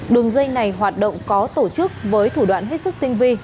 đường dây này hoạt động có tổ chức với thủ đoạn hết sức tinh vi